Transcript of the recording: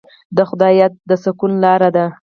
د خدای یاد د سکون لاره ده.